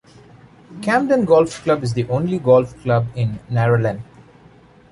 Camden Golf Club is the only golf club in Narellan.